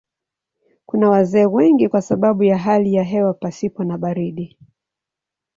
Kuna wazee wengi kwa sababu ya hali ya hewa pasipo na baridi.